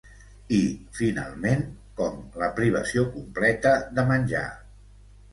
I, finalment, com la «privació completa de menjar».